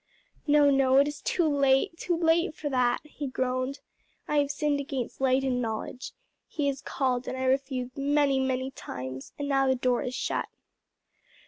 "No, no, it is too late, too late for that!" he groaned. "I have sinned against light and knowledge. He has called and I refused many, many times; and now the door is shut."